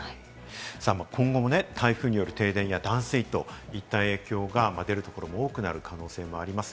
今後も台風による停電や断水といった影響が出るところも多くなる可能性もあります。